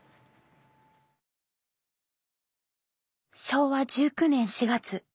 昭和１９年４月。